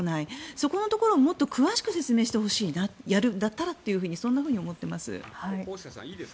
そこのところを詳しく説明してほしいやるんだったらとそう思っています。